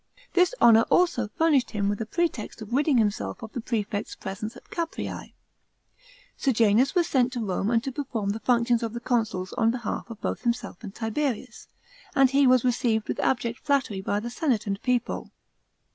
This honour also furnished him with a pretext of ridding himself of the prefect's presence at Caprese. Sejanus wa>* sent to Home to perform the functions of the consuls, on behalf of both himself and Tiberius, and he was received with abj ct flattery by senate and people.